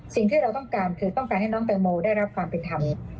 สิ่งที่เราต้องการคือต้องการให้น้องแตงโมได้รับความเป็นธรรม